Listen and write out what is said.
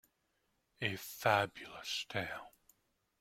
A Fabulous tale.